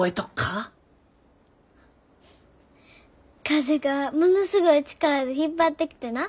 風がものすごい力で引っ張ってきてな。